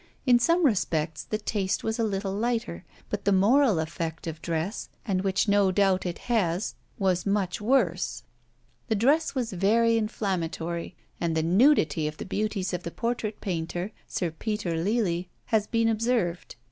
In some respects the taste was a little lighter, but the moral effect of dress, and which no doubt it has, was much worse. The dress was very inflammatory; and the nudity of the beauties of the portrait painter, Sir Peter Lely, has been observed.